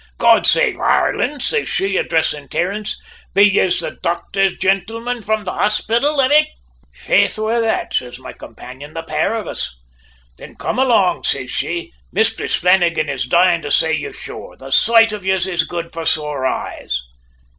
"`God save Ireland!' says she, addressing Terence. `Be yez the docther jintlemen from the hospital, avic?' "`Faix, we're that,' says my companion; `the pair of us!' "`Thin come along,' says she. `Mistress Flannagan is dyin' to say you, sure. The soight of yez is good for sore eyes!'